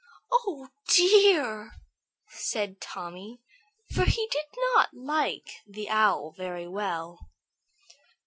"Oh, dear!" said Tommy, for he did not like the Owl very well.